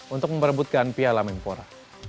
untuk memperebutkan piala mempora